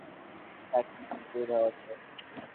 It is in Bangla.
ফ্যাক্স সুবিধাও আছে।